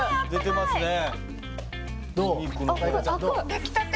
出来たて。